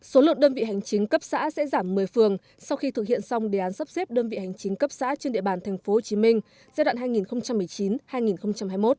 số lượng đơn vị hành chính cấp xã sẽ giảm một mươi phường sau khi thực hiện xong đề án sắp xếp đơn vị hành chính cấp xã trên địa bàn tp hcm giai đoạn hai nghìn một mươi chín hai nghìn hai mươi một